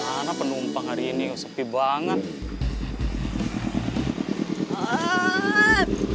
mana penumpang hari ini sepi banget